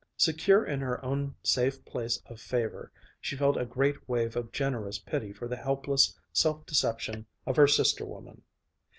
_" Secure in her own safe place of favor she felt a great wave of generous pity for the helpless self deception of her sister woman.